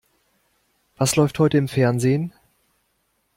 Was läuft heute im Fernsehen?